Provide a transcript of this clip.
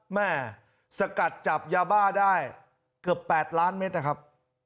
แม่สกัดจับยาบ้าได้เกือบ๘ล้านเม็ดนะครับ